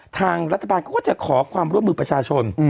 ทางรัฐบาลเขาก็จะขอความร่วมมือประชาชน